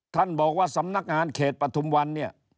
ท่านบอกว่าสำนักงานเขตปฐุมวันเนี่ย